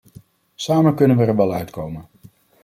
Samen kunnen we er wel uitkomen.